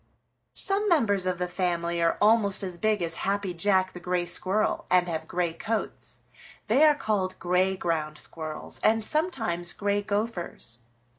"Some members of the family are almost as big as Happy Jack the Gray Squirrel and have gray coats. They are called Gray Ground Squirrels and sometimes Gray Gophers.